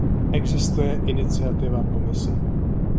Existuje iniciativa Komise.